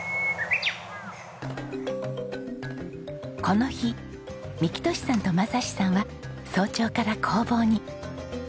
この日幹寿さんと雅士さんは早朝から工房に。